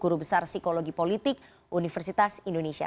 guru besar psikologi politik universitas indonesia